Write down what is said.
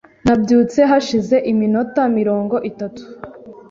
Nabyutse hashize iminota mirongo itatu .